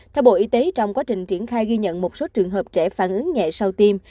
theo bộ y tế trong quá trình triển khai ghi nhận một số trường hợp trẻ phản ứng nhẹ sau tiêm